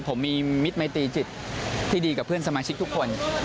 ผมมีมิตรมัยตรีจิตที่ดีกับเพื่อนสมาชิกทุกคน